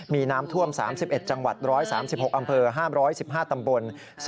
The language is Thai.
มีน้ำท่วม๓๑จังหวัด๑๓๖อำเภอ๕๑๕ตำบล